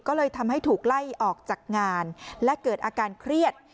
ก็เลยทำให้ถูกไล่ออกจากงานและเกิดอาการเครียด